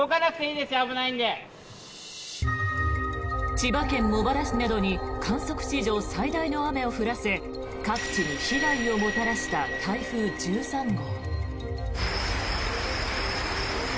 千葉県茂原市などに観測史上最大の雨を降らせ各地に被害をもたらした台風１３号。